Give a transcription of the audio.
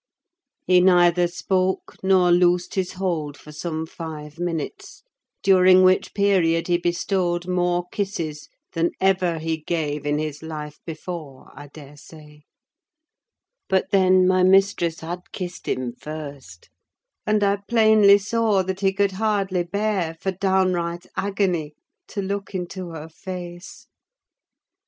He neither spoke nor loosed his hold for some five minutes, during which period he bestowed more kisses than ever he gave in his life before, I daresay: but then my mistress had kissed him first, and I plainly saw that he could hardly bear, for downright agony, to look into her face!